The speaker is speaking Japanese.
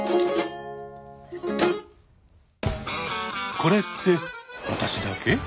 「これって私だけ？」。